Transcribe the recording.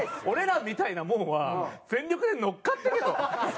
俺らみたいなもんは全力で乗っかっていけと。